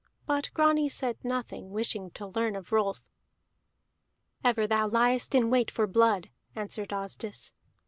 But Grani said nothing, wishing to learn of Rolf. "Ever thou liest in wait for blood," answered Asdis.